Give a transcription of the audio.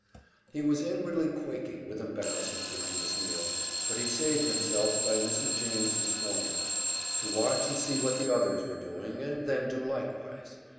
He was inwardly quaking with embarrassment during this meal, but he saved himself by Mrs. James's formula, to watch and see what the others were doing and then do likewise.